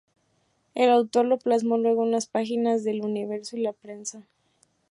El autor lo plasmó luego en las páginas de "El Universo" y "La Prensa".